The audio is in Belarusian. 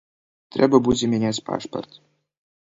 Трэба будзе мяняць пашпарт.